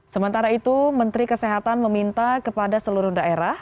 sementara itu menteri kesehatan meminta kepada seluruh daerah